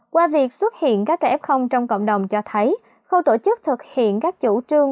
qua việc xuất hiện các kf trong cộng đồng cho thấy khâu tổ chức thực hiện các chủ trương